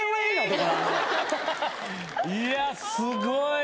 いやすごい。